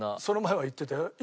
その前は言ってたよ。